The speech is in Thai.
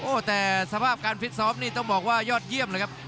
โอ้โหแต่สภาพการฟิตซ้อมนี่ต้องบอกว่ายอดเยี่ยมเลยครับ